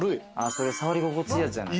それ触り心地いいやつじゃない？